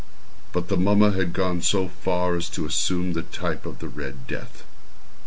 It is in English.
But the mummer had gone so far as to assume the type of the Red Death.